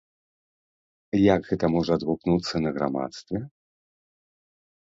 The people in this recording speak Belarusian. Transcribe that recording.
Як гэта можа адгукнуцца на грамадстве?